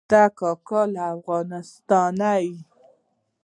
دی کاکا له افغانستانه.